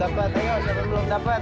siapa yang belum dapat